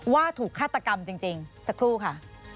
ว่าถูกฆาตกรรมจริงสักครู่ค่ะ